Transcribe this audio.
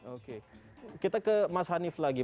oke kita ke mas hanif lagi